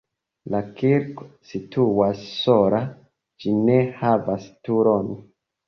La kirko situas sola, ĝi ne havas turon.